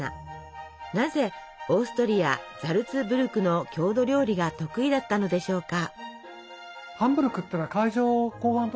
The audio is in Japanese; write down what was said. なぜオーストリアザルツブルクの郷土料理が得意だったのでしょうか？